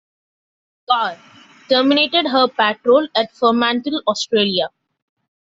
"Gar" terminated her patrol at Fremantle, Australia.